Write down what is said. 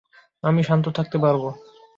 আমি শান্ত থাকতে পারবো।